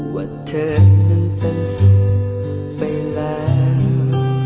ว่าเธอนั้นเป็นสุดไปแล้ว